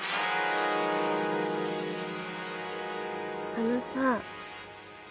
あのさ。